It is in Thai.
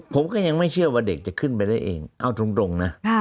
ผมก็ยังไม่เชื่อว่าเด็กจะขึ้นไปได้เองเอาตรงนะ